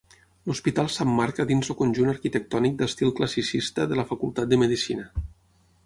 L'hospital s'emmarca dins el conjunt arquitectònic d'estil classicista de la Facultat de Medicina.